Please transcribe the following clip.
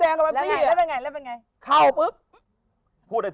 แล้วนายเป็นไง